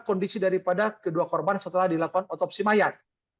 kondisi daripada kedua korban setelah dilakukan otopsi mayat